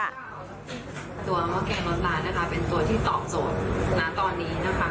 ตัวหม้อแกงลอสลานะคะเป็นตัวที่ตอบโจทย์นะตอนนี้นะคะ